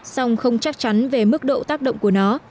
song không chắc chắn về mức độ tác động của nó